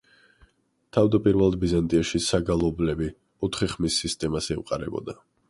თავდაპირველად ბიზანტიაში საგალობლები ოთხი ხმის სისტემას ემყარებოდა.